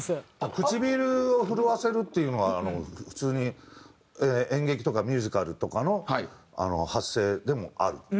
唇を震わせるっていうのは普通に演劇とかミュージカルとかの発声でもある。